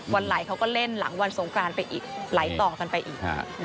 วันไหลเขาก็เล่นหลังวันสงกรานไปอีกไหลต่อกันไปอีก